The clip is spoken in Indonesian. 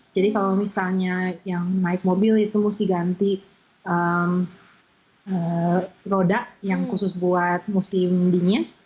jadi kalau misalnya yang naik mobil itu harus diganti roda yang khusus buat musim dingin